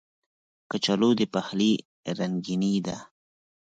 کچالو د پخلي رنګیني ده